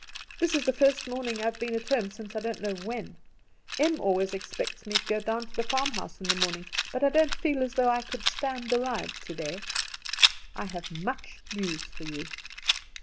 This is the first morning I have been at home since I don't know when. Em always expects me to go down to the farmhouse in the morning; but I didn't feel as though I could stand the ride today. "I have much news for you.